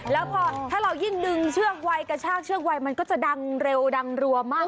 แล้วพอถ้าเรายิ่งดึงเชือกไวกระชากเชือกไวมันก็จะดังเร็วดังรัวมาก